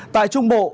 tại trung bộ